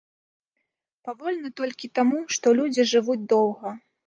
Павольна толькі таму, што людзі жывуць доўга.